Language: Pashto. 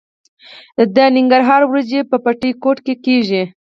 د ننګرهار وریجې په بټي کوټ کې کیږي.